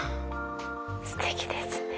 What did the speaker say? すてきですね。